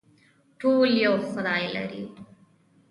ټول یو خدای لري